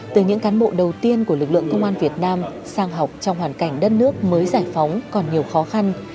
từ những cán bộ đầu tiên của lực lượng công an việt nam sang học trong hoàn cảnh đất nước mới giải phóng còn nhiều khó khăn